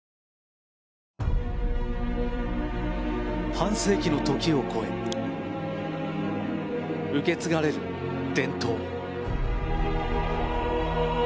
半世紀のときを超え受け継がれる伝統。